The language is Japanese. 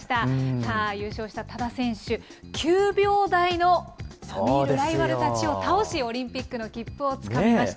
さあ、優勝した多田選手、９秒台の並み居るライバルたちを倒し、オリンピックの切符をつかみました。